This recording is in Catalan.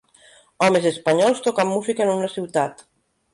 Homes espanyols tocant música en una ciutat.